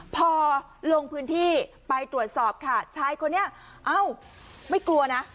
พอลงพื้นที่ไปตรวจสอบค่ะชายคนนี้เอ้าไม่กลัวนะ